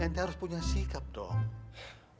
nanti harus punya sikap dong